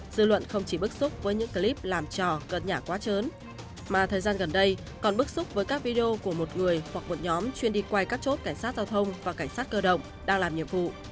dư luận không chỉ bức xúc với những clip làm trò gợt nhả quá chớm mà thời gian gần đây còn bức xúc với các video của một người hoặc một nhóm chuyên đi quay các chốt cảnh sát giao thông và cảnh sát cơ động đang làm nhiệm vụ